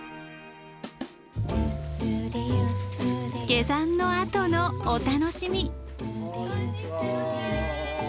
下山のあとのお楽しみ。